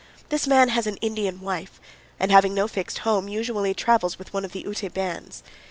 This man has an Indian wife, and, having no fixed home, usually travels with one of the Ute bands.